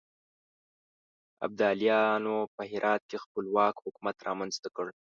ابدالیانو په هرات کې خپلواک حکومت رامنځته کړ.